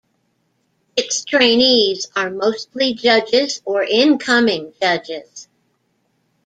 Its trainees are mostly judges or incoming judges.